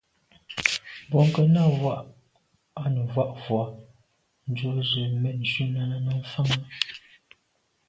Bwɔ́ŋkə̂’ nɑ̂’ vwá’ nə̀ vwá’ vwɑ́’ dzwə́ zə̄ mɛ̂n shûn Náná ná’ fáŋə́.